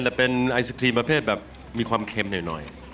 แต่เป็นไอศครีมประเภทแบบมีความเค็มหน่อย